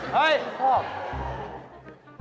เฮ้ยพ่อค่ะนะฮือ